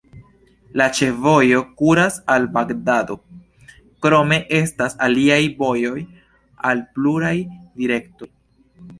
La ĉefvojo kuras al Bagdado, krome estas aliaj vojoj al pluraj direktoj.